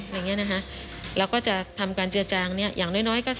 เราก็จะทำการเจื้อจางนี้อย่างน้อยสัก๓๔ลำดับ